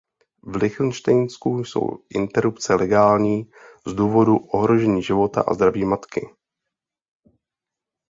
V Lichtenštejnsku jsou interrupce legální z důvodu ohrožení života a zdraví matky.